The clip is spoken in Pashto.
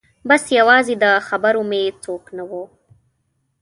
بس یوازې د خبرو مې څوک نه و